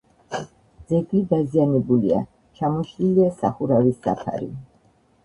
ძეგლი დაზიანებულია: ჩამოშლილია სახურავის საფარი.